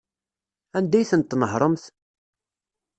Anda ay tent-tnehṛemt?